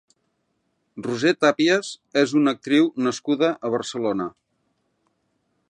Roser Tapias és una actriu nascuda a Barcelona.